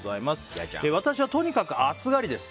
私はとにかく暑がりです。